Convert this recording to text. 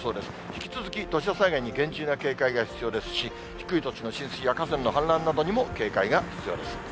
引き続き土砂災害に厳重な警戒が必要ですし、低い土地の浸水や河川の氾濫などにも警戒が必要です。